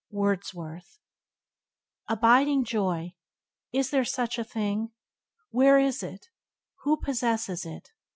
—Wordsworth. fi^lL BIDING joy! Is there such a thing? Where is it? Who possesses it?